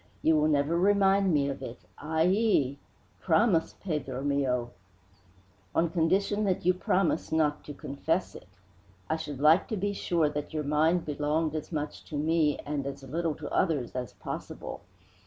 "You will never remind me of it. Ay yi! promise Pedro mio!" "On condition that you promise not to confess it. I should like to be sure that your mind belonged as much to me and as little to others as possible.